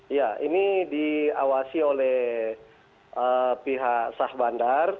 iya ini diawasi oleh pihak sah bandar